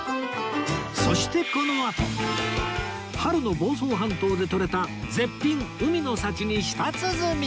そしてこのあと春の房総半島でとれた絶品海の幸に舌鼓！